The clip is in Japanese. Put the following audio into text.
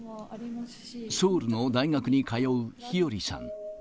ソウルの大学に通う日和さん。